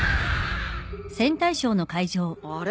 あれ？